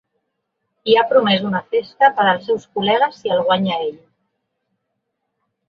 I ha promès una festa per als seus col·legues si el guanya ell.